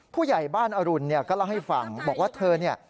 ผู้ใหญ่บ้านอรุณก็เล่าให้ฟังบอกว่าเธอ